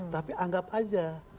tapi anggap saja